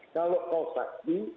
kalau kau saksi